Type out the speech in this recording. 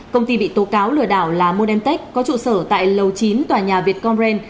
công ty bị tố cáo lừa đảo là modemtech có trụ sở tại lầu chín tòa nhà việt comren